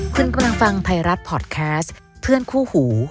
คุณกำลังฟังไทยรัฐพอร์ตแคสต์เพื่อนคู่หู